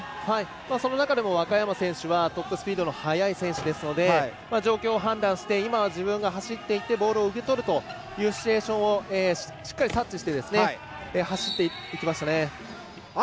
その中でも若山選手はトップスピードの速い選手ですので状況を判断して今は自分が走ってボールを受け取るというシチュエーションをしっかり察知して走っていきましたね。